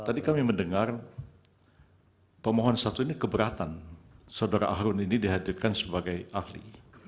tadi kami mendengar pemohon satu ini keberatan saudara ahrun ini dihadirkan sebagai ahli